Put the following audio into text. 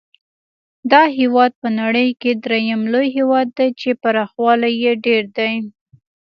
دا هېواد په نړۍ کې درېم لوی هېواد دی چې پراخوالی یې ډېر دی.